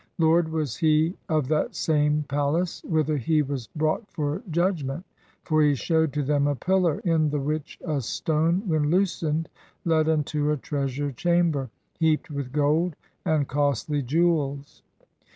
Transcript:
Lord was he of that same palace, Whither he was brought for judgment; For he showed to them a pillar, In the which a stone when loosened Led unto a treasure chamber, Heaped with gold and costly jewels.